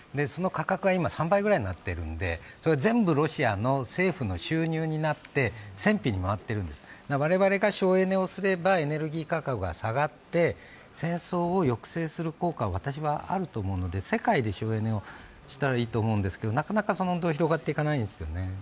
その価格は今３倍くらいになってるので全部ロシアの政府の収入になって戦費に回ってるんです我々が省エネをすればエネルギー価格が下がって戦争を抑制する効果が私はあると思うので世界で省エネをしたらいいと思うんですけどなかなかその土俵に上がっていかないんですよね。